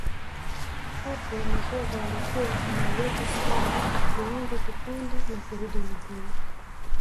Hapo nahodha alikuwa anauweka sawa tuanze kupanda na kurudi Mjini